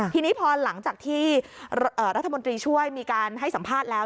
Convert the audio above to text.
ทีนี้พอหลังจากที่รัฐมนตรีช่วยมีการให้สัมภาษณ์แล้ว